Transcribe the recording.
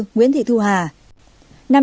năm mươi bốn nguyễn thị thu hà